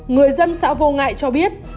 người dân xã vô ngại cho biết